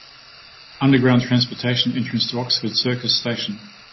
Underground transportation entrance to Oxford Circus Station.